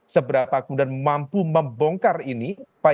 seberapa kemudian mampu membongkar ini